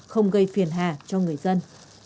không gây phiền hà cho người dân